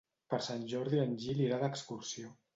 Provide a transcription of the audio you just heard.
Per Sant Jordi en Gil irà d'excursió.